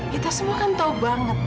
kita semua kan tahu banget